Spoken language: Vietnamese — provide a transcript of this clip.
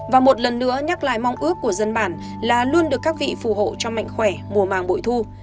và một lần nữa nhắc lại mong ước của dân bản là luôn được các vị phù hộ cho mạnh khỏe mùa màng bội thu